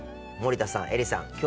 森田さん映里さん